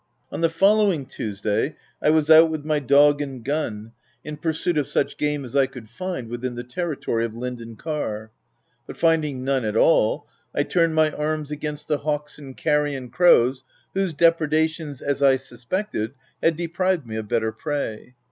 On the following Tuesday I was out with my dog and gun, in pursuit of such game as I could find within the territory of Linden Car ; but finding none at all, I turned my arms against 30 THE TENANT the hawks and carrion crows, whose depreda tions, as I suspected, had deprived me of better prey.